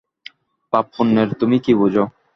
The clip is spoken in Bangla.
পাপপুণ্যের তুমি কী বুঝ?